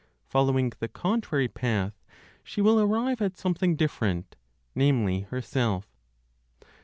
Following the contrary path, she will arrive at something different, namely, herself.